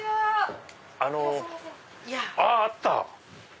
あっあった！